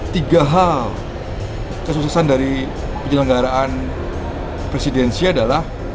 tiga hal kesuksesan dari penyelenggaraan presidensi adalah